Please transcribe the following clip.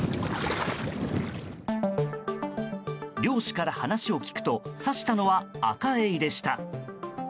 漁師から話を聞くと刺したのはアカエイでした。